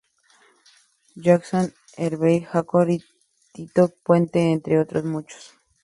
Johnson, Herbie Hancock o Tito Puente, entre otros muchos.